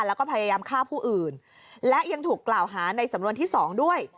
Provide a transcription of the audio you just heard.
แล้วก็พยายามฆ่าผู้อื่นและยังถูกกล่าวหาในสำนวนที่๒ด้วย